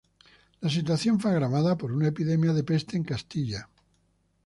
La situación fue agravada por una epidemia de peste en Castilla.